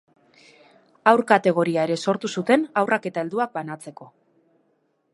Haur-kategoria ere sortu zuten haurrak eta helduak banatzeko.